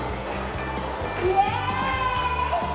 イエーイ！